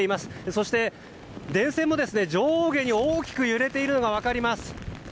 そして電線も上下に大きく揺れているのが分かります。